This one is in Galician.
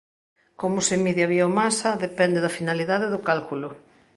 Como se mide a biomasa depende da finalidade do cálculo.